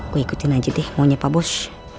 gue ikutin aja deh maunya pak bos